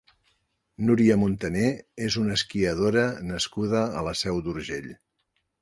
Nuria Montané és una esquiadora nascuda a la Seu d'Urgell.